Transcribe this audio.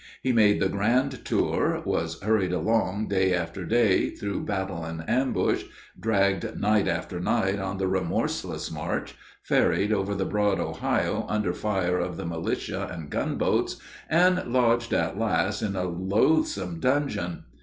He made the grand tour, was hurried along day after day through battle and ambush, dragged night after night on the remorseless march, ferried over the broad Ohio under fire of the militia and gunboats, and lodged at last in a "loathsome dungeon."